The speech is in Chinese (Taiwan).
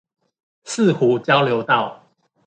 四湖交流道